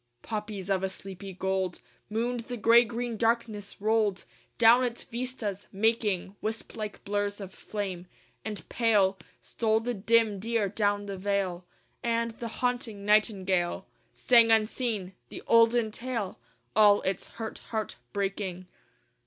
III Poppies of a sleepy gold Mooned the gray green darkness rolled Down its vistas, making Wisp like blurs of flame. And pale Stole the dim deer down the vale: And the haunting nightingale Sang unseen the olden tale All its hurt heart breaking.